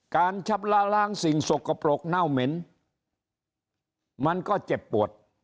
ชับล่าล้างสิ่งสกปรกเน่าเหม็นมันก็เจ็บปวด